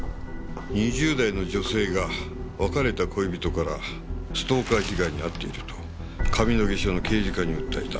２０代の女性が別れた恋人からストーカー被害に遭っていると上野毛署の刑事課に訴えた。